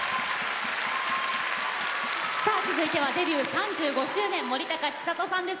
続いては、デビュー３５周年を迎えられました森高千里さんです。